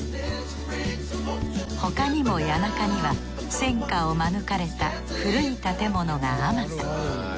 他にも谷中には戦火を免れた古い建物があまた。